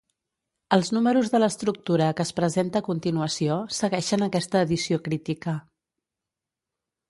Els números de l'estructura que es presenta a continuació segueixen aquesta edició crítica.